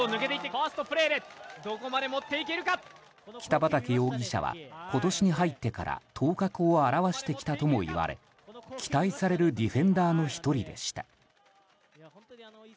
北畠容疑者は今年に入ってから頭角を現してきたともいわれ期待されるディフェンダーの１人でした。